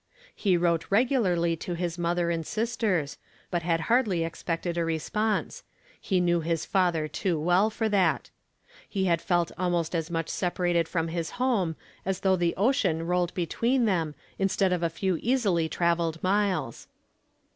He wrote regularly to his mother and sis ters, but had hardly expected a response ; he knew his father too well for that. He had felt almost as much separated from his home as though the ocean rolled between them instead of a few easily travelled miles.